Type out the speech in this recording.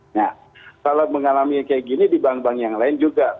nah kalau mengalami kayak gini di bank bank yang lain juga